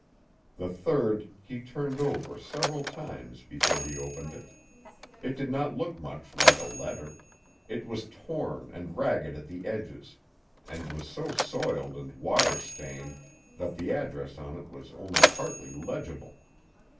The third he turned over several times before he opened it. It did not look much like a letter. It was torn and ragged at the edges, and was so soiled and water stained that the address on it was only partly legible.